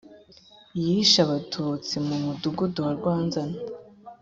yishe batutsi mu mudugudu wa rwanzana.